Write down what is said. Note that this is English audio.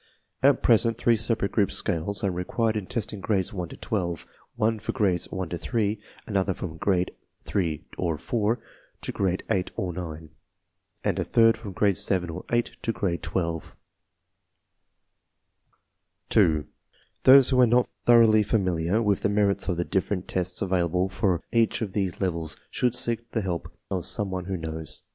At present three separate group scales are re quired in testing Grades 1 to 12 : one for Grades 1 to 3, THE PROBLEM 28 / another from Grade 3 or 4 to Grade 8 or 9, and a third from Grade 7 or 8 to Grade 12. 2. Those who are not thoroughly familiar with the merits of the different tests available for each of these levels should seek the help of some one who knows.